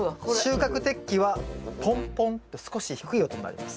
収穫適期はポンポンって少し低い音になります。